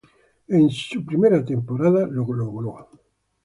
En su primera temporada, lo logró.